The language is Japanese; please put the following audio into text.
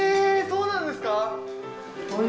そうなんですか？